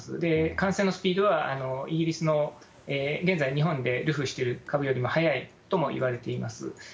感染のスピードは、イギリスの現在、日本で流布してる株よりも速いともいわれています。